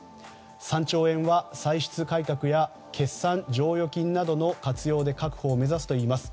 ３兆円は歳出改革や決算剰余金などの活用で確保を目指すといいます。